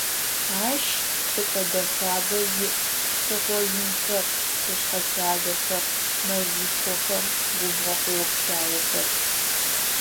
Ащ чӀыпӀэ дэхабэ иӀ: псыхъо инхэр, къушъхьэ лъагэхэр, мэзышхохэр, губгъо хъоо-пщаухэр.